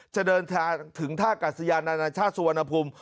จะเดินทางถึงท่ากัศยานานาชาติสุวรรณภูมิ